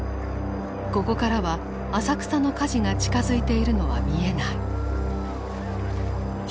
ここからは浅草の火事が近づいているのは見えない。